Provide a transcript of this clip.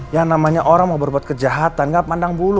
yang namanya orang mau berbuat kejahatan gak pandang bulu